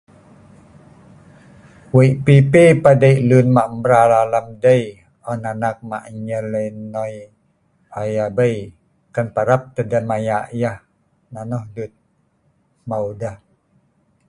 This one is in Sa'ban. Wei pipi padei lun mak mral alam dei on anak mak nyer ai nnoi tabei, kan parab tah deh maya hmeu deh.nonoh dut hmeu deh